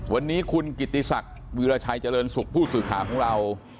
วันนี้คุณกิติศักดิ์วิราชัยเจริญสุขผู้สื่อข่าวของเรา